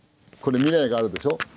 これ未来があるでしょ？